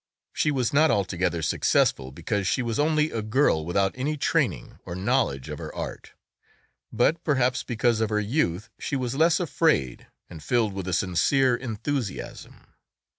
She was not altogether successful because she was only a girl without any training or knowledge of her art, but perhaps because of her youth she was less afraid and filled with a sincerer enthusiasm.